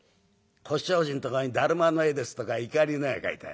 腰障子んとこにだるまの絵ですとか碇の絵が描いてある。